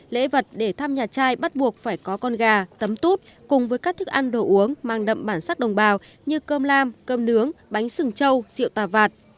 lễ vật để thăm nhà trai bắt buộc phải có con gà tấm tút cùng với các thức ăn đồ uống mang đậm bản sắc đồng bào như cơm lam cơm nướng bánh sừng trâu rượu tà vạt